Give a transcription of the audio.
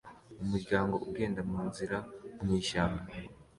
Umuryango ugenda munzira mwishyamba